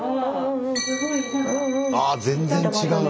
あ全然違う。